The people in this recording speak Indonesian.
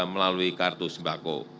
melalui kartu sembako